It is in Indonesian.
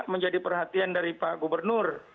menjadi perhatian dari pak gubernur